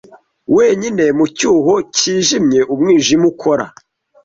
wenyine mu cyuho cyijimye umwijima ukora